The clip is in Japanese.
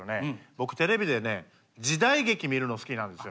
僕テレビでね時代劇見るの好きなんですよね。